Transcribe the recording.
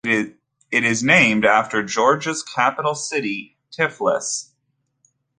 It is named after Georgia's capital city Tiflis.